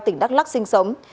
tỉnh đắk lắc sinh sống